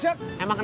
ya mak tetep pakai